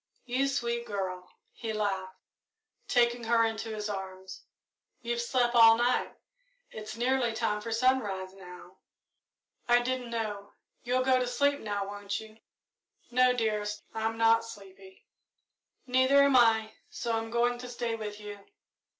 "You sweet girl," he laughed, taking her into his arms; "you've slept all night it's nearly time for sunrise, now." "I didn't know. You'll go to sleep now, won't you?" "No, dearest I'm not sleepy." "Neither am I, so I'm going to stay with you."